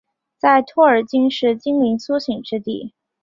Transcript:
在托尔金是精灵苏醒之地。